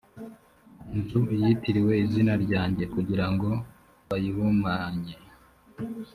nzu yitiriwe izina ryanjye kugira ngo bayihumanye